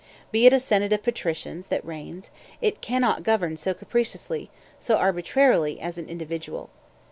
Be it a senate of patricians that reigns, it cannot govern so capriciously, so arbitrarily, as an individual.